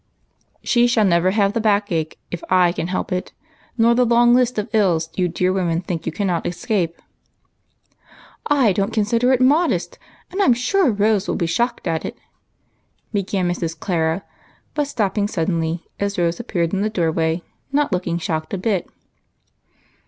She shall never have the back ache if I can help it, nor the long list of ills you dear women think you cannot es cape." "Zdon't consider it modest, and I'm sure Rose will be shocked at it," began Mrs. Clara, but stopped sud denly as Rose appeared in the door way, not looking shocked a bit.